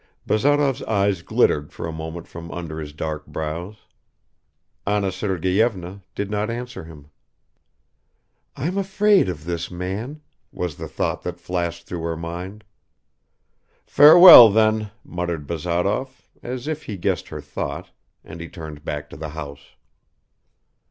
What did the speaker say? Bazarov's eyes glittered for a moment from under his dark brows. Anna Sergeyevna did not answer him. "I'm afraid of this man," was the thought that flashed through her mind. "Farewell then," muttered Bazarov, as if he guessed her thought, and he turned back to the house.